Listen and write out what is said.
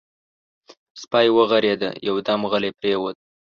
سپی وغرېد، يودم غلی پرېووت.